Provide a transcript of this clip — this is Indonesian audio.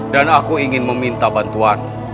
dan aku ingin meminta bantuan